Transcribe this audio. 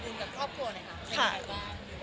หรือว่าเจอครอบครัวได้หมดหรือเปล่า